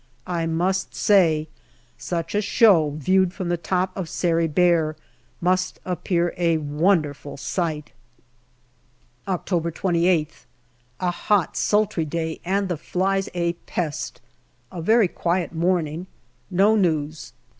I must say such a show, viewed from the top of Sari Bair, must appear a wonderful sight. October 28th. A hot, sultry day, and the flies a pest. A very quiet morning. No news.